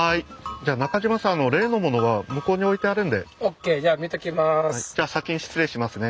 じゃあ先に失礼しますね。